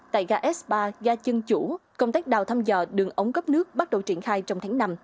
tại ga s ba gà chân chủ công tác đào thăm dò đường ống cấp nước bắt đầu triển khai trong tháng năm